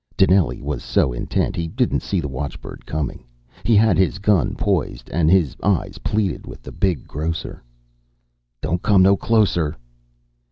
Dinelli was so intent he didn't see the watchbird coming. He had his gun poised, and his eyes pleaded with the big grocer. "Don't come no closer."